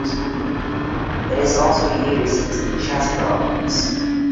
It is also used in some chess problems.